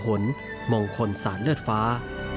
หนมงคลสารเลือดฟ้า